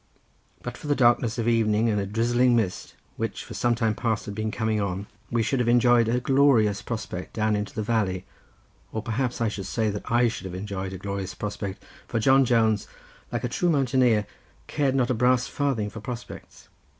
But for the darkness of evening and a drizzling mist, which, for some time past, had been coming on, we should have enjoyed a glorious prospect down into the valley, or perhaps I should say that I should have enjoyed a glorious prospect, for John Jones, like a true mountaineer, cared not a brass farthing for prospects.